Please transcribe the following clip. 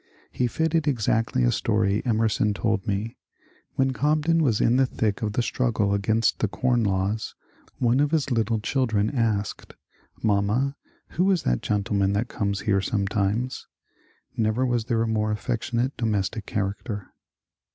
He fitted exactly a story Emerson told me : when Cobden was in the thick of the struggle against the Com Laws, one of his little children asked, ^^ Mamma, who is that gentleman that comes here sometimes ?" Never was there a more affectionate domestic character.